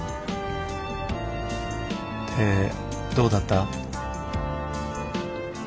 でどうだった？